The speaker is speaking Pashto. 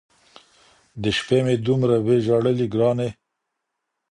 د شپې مي دومره وي ژړلي ګراني !